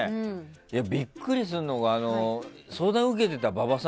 ビックリするのが相談を受けていた馬場さん